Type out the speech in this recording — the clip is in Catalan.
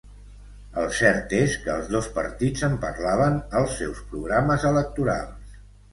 El cert és que els dos partits en parlaven als seus programes electorals